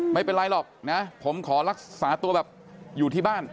ไม่เป็นไรหรอกนะผมขอรักษาตัวแบบอยู่ที่บ้าน